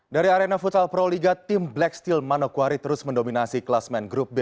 dari arena futsal pro liga tim black steel manokwari terus mendominasi kelas main grup b